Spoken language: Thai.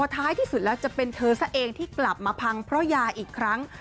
ท้ายที่สุดแล้วจะเป็นเธอซะเองที่กลับมาพังเพราะยาอีกครั้ง